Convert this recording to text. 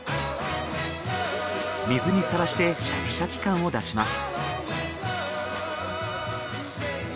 水にさらしてシャキシャキ感を出します。